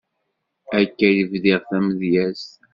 Akka i d-bdiɣ tamedyazt.